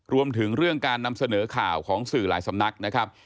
รวมถึงเรื่องการนำเสนอข่าวของสื่อหลายสำนักนะครับ